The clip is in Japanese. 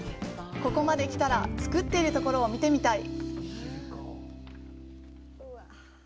ここまで来たら作っているところを見てみたい！